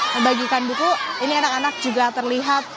membagikan buku ini anak anak juga terlihat